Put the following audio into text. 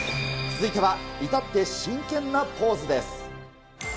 続いては、至って真剣なポーズです。